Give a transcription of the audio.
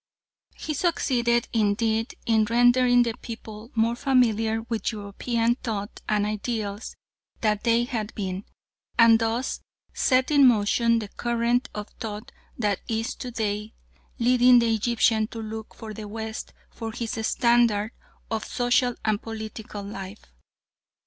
He succeeded, indeed, in rendering the people more familiar with European thought and ideals than they had been, and thus set in motion the current of thought that is to day leading the Egyptian to look to the West for his standard of social and political life.